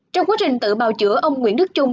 trong quá trình tự bào chữa ông nguyễn đức trung